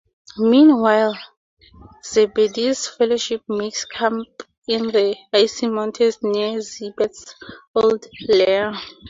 Meanwhile, Zebedee's fellowship makes camp in the icy mountains near Zeebad's old lair.